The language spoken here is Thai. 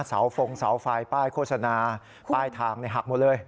ฟงเสาไฟป้ายโฆษณาป้ายทางหักหมดเลย